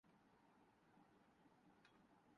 اس issue کو زیربحث لانا چاہیے۔